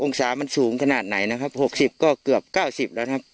องศามันสูงขนาดไหนนะครับหกสิบก็เกือบเก้าสิบแล้วนะครับ